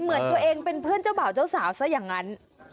เหมือนตัวเองเป็นเพื่อนเจ้าบ่าวเจ้าสาวซะอย่างนั้น